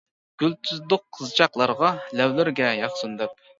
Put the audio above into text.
گۈل تىزدۇق قىزچاقلارغا، لەۋلىرىگە ياقسۇن دەپ.